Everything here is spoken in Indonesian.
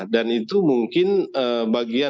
dan itu mungkin bagian